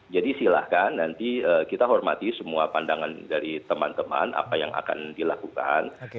jadi silahkan nanti kita hormati semua pandangan dari teman teman apa yang akan dilakukan